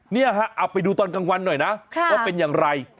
เนี่ยฮะเอาไปดูตอนกลางวันหน่อยนะว่าเป็นอย่างไร